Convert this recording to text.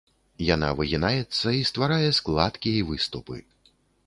Яна выгінаецца і стварае складкі і выступы.